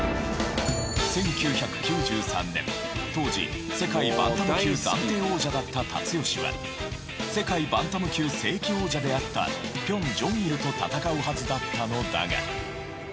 １９９３年当時世界バンタム級暫定王者だった辰は世界バンタム級正規王者であった辺丁一と戦うはずだったのだが。